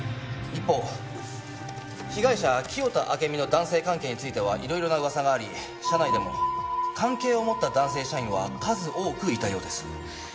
一方被害者清田暁美の男性関係についてはいろいろな噂があり社内でも関係を持った男性社員は数多くいたようです。